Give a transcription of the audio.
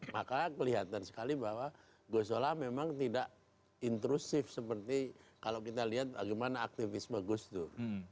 maka kelihatan sekali bahwa gus dur memang tidak intrusif seperti kalau kita lihat bagaimana aktivis bagus tuh